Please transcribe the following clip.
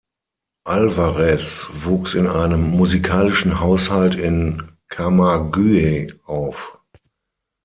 Álvarez wuchs in einem musikalischen Haushalt in Camagüey auf.